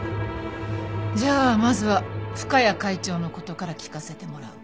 じゃあまずは深谷会長の事から聞かせてもらう。